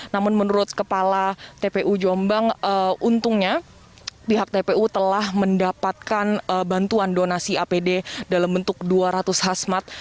namun menurut kepala tpu jombang untungnya pihak tpu telah mendapatkan bantuan donasi apd dalam bentuk dua ratus khasmat